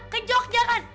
ke jogja kan